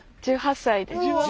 １８歳です。